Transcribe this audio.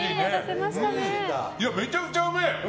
めちゃくちゃうまい！